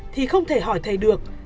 thì không thể hỏi thầy được